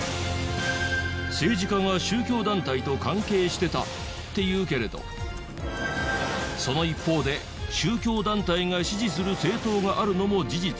政治家が宗教団体と関係してたっていうけれどその一方で宗教団体が支持する政党があるのも事実。